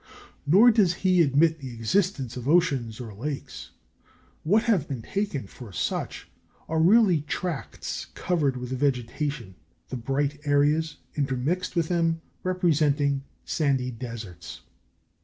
Nor does he admit the existence of oceans, or lakes. What have been taken for such are really tracts covered with vegetation, the bright areas intermixed with them representing sandy deserts.